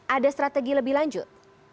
ada strategi lebih lanjut